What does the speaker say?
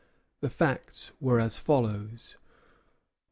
The facts were as follows.